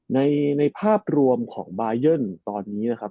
ในภาพรวมของบายันตอนนี้นะครับ